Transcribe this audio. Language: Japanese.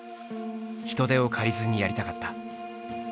人手を借りずにやりたかった。